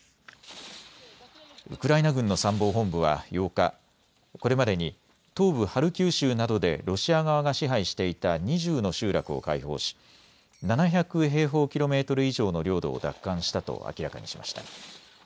ウクライナ軍の参謀本部は８日、これまでに東部ハルキウ州などでロシア側が支配していた２０の集落を解放し７００平方キロメートル以上の領土を奪還したと明らかにしました。